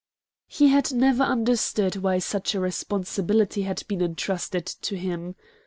He had never understood why such a responsibility had been intrusted to him.